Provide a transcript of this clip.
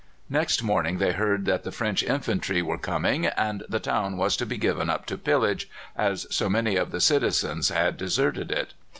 Next morning they heard that the French infantry were coming, and the town was to be given up to pillage, as so many of the citizens had deserted it.